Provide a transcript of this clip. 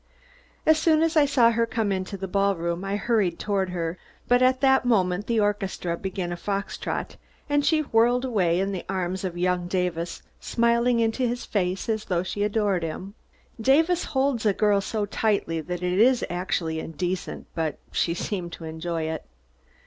As soon as I saw her come into the ballroom, I hurried toward her, but at that moment the orchestra began a fox trot and she whirled away in the arms of young Davis, smiling into his face as though she adored him. Davis holds a girl so tightly that it is actually indecent, but she seemed to enjoy it.